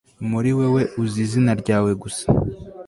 muri wewe uzi izina ryawe gusa